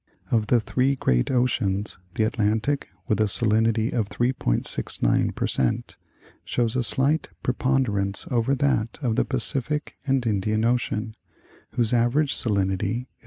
Of the three great oceans, the Atlantic, with a salinity of 3.69 per cent., shows a slight preponderance over that of the Pacific and Indian Ocean, whose average salinity is 3.